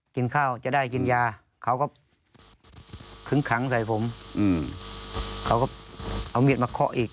กินข้าวจะได้กินยาเขาก็คึ้งขังใส่ผมเขาก็เอามีดมาเคาะอีก